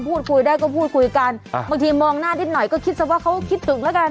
พูดคุยได้ก็พูดคุยกันบางทีมองหน้านิดหน่อยก็คิดซะว่าเขาคิดถึงแล้วกัน